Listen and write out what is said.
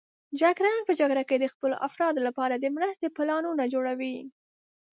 جګړن په جګړه کې د خپلو افرادو لپاره د مرستې پلانونه جوړوي.